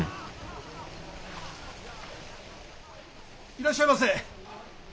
いらっしゃいませ。